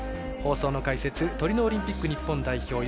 放送の解説トリノオリンピック日本代表